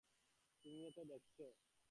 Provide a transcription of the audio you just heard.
তুমিও তো দেখেছ।